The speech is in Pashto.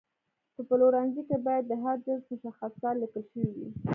په پلورنځي کې باید د هر جنس مشخصات لیکل شوي وي.